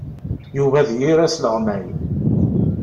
Yuba d yir asleɣmay.